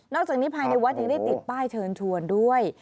จากนี้ภายในวัดยังได้ติดป้ายเชิญชวนด้วย